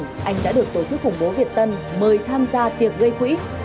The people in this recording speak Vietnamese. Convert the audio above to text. anh eccetera nguyễn đã được tổ chức khủng bố việt tân mời tham gia tiệc gây quỹ